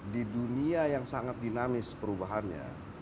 di dunia yang sangat dinamis perubahannya